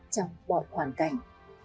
trong bọn hoàn cảnh